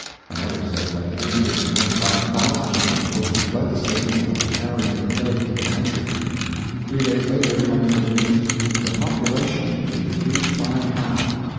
Another says that 325,000 of the people have fled the city and are carrying the plague to the country. Three days later comes the news, "The population is reduced by half."